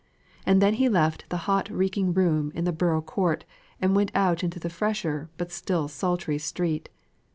And then he left the hot reeking room in the borough court, and went out into the fresher, but still sultry street.